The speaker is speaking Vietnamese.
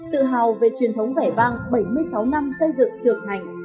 tự hào về truyền thống vẻ vang bảy mươi sáu năm xây dựng trưởng thành